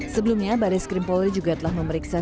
sebelumnya baris krim polri juga telah memeriksa